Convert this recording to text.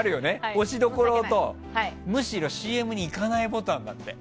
押しどころとむしろＣＭにいかないボタン。